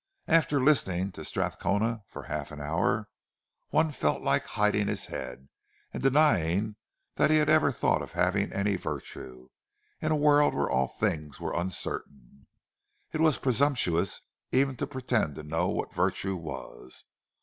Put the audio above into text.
After listening to Strathcona for half an hour, one felt like hiding his head, and denying that he had ever thought of having any virtue; in a world where all things were uncertain, it was presumptuous even to pretend to know what virtue was.